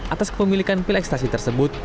atas kepemilikan pil ekstasi tersebut